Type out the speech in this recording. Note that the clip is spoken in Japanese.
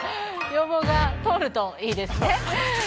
要望が通るといいですね。